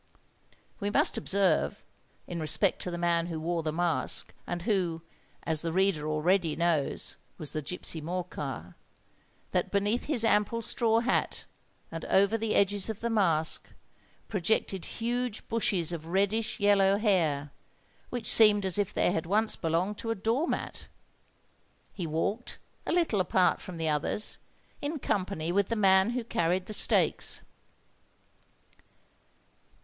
We must observe, in respect to the man who wore the mask, and who, as the reader already knows, was the gipsy Morcar, that beneath his ample straw hat, and over the edges of the mask, projected huge bushes of reddish yellow hair, which seemed as if they had once belonged to a door mat. He walked, a little apart from the others, in company with the man who carried the stakes.